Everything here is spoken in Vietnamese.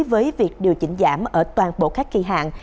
với việc điều chỉnh giảm ở toàn bộ các kỳ hạn